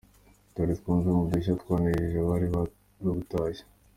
Dore tumwe mudushya twanejeje abari babutashye:.